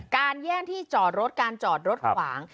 แย่งที่จอดรถการจอดรถขวาง